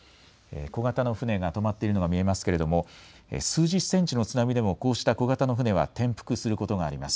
小型の船が止まっているのが見えますけれども数十センチの津波でもこうした小型の船は転覆することがあります。